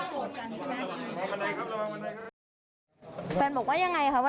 ทำไมชั้นแรกเราขอเงินเขาแล้ว